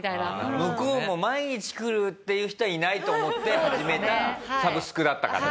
向こうも毎日来るっていう人はいないと思って始めたサブスクだったからね。